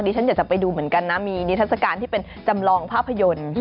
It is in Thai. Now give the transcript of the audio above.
ฉันอยากจะไปดูเหมือนกันนะมีนิทัศกาลที่เป็นจำลองภาพยนตร์